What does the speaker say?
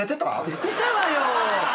寝てたわよ。